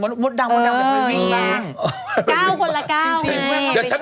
กล้องปั๋วไปช่วย